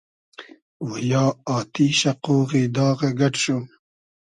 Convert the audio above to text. و یا آتیشۂ ، قۉغی داغۂ گئۮ شو